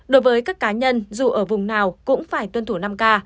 đối với các cá nhân dù ở vùng nào cũng phải tuân thủ năm k